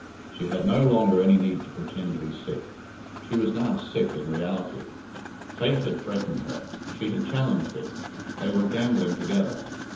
She had no longer any need to pretend to be sick; she was now sick in reality. Fate had threatened her. She had challenged it. They were gambling together.